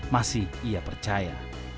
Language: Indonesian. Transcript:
masih ia percaya